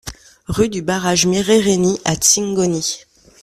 RUE DU BARRAGE MIRERENI à Tsingoni